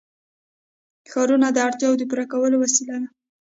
ښارونه د اړتیاوو د پوره کولو وسیله ده.